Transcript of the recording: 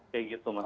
kayak gitu mas